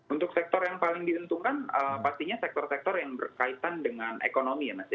untuk sektor yang paling diuntungkan pastinya sektor sektor yang berkaitan dengan ekonomi ya mas ya